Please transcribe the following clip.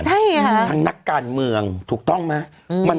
ใช่ค่ะทั้งนักการเมืองถูกต้องไหม